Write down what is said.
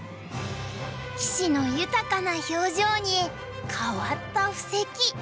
棋士の豊かな表情に変わった布石。